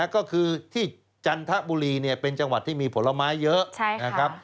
ก็คือที่จันทบุรีเนี่ยเป็นจังหวัดที่มีผลไม้เยอะ